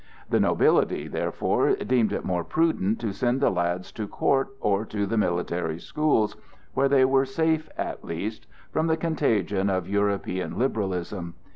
The nobility, therefore, deemed it more prudent to send the lads to court or to the military schools, where they were safe at least from the contagion of European liberalism.